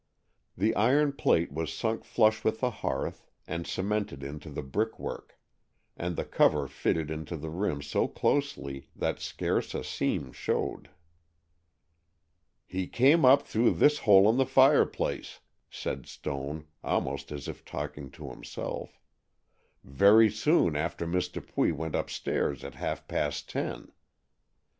The iron plate was sunk flush with the hearth and cemented into the brick work, and the cover fitted into the rim so closely that scarce a seam showed. "He came up through this hole in the fireplace," said Stone, almost as if talking to himself, "very soon after Miss Dupuy went upstairs at half past ten.